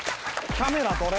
キャメラどれ？